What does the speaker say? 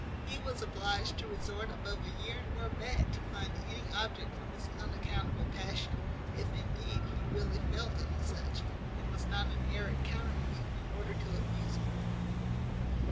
He was obliged to resort above a year and more back to find any object for this unaccountable passion, if, indeed, he really felt any such, and was not an arrant counterfeit in order to abuse me.